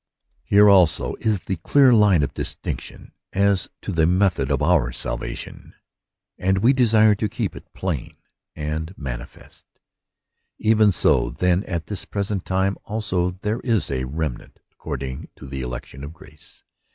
Here also is the clear line of distinction as to the method of our salvation, and we desire to keep it plain and manifest :—^ Even so then at this present time also there is a remnant according to the election of grace.